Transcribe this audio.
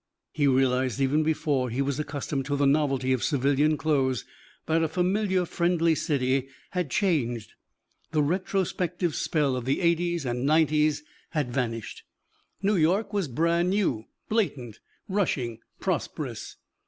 He realized even before he was accustomed to the novelty of civilian clothes that a familiar, friendly city had changed. The retrospective spell of the eighties and nineties had vanished. New York was brand new, blatant, rushing, prosperous.